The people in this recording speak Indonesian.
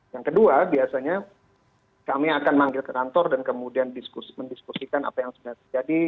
yang kedua biasanya kami akan manggil ke kantor dan kemudian mendiskusikan apa yang sebenarnya terjadi